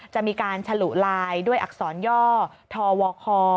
จะมีการฉลุลายด้วยอักษรย่อทวค